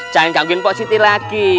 jangan gangguin pak siti lagi